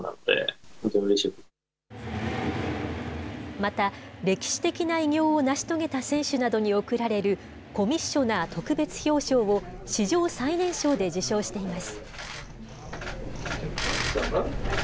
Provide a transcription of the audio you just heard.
また、歴史的な偉業を成し遂げた選手などに贈られるコミッショナー特別表彰を史上最年少で受賞しています。